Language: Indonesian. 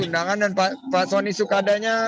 dan pak sonny sukadanya